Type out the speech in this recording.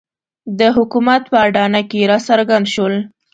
د حکومت په اډانه کې راڅرګند شول.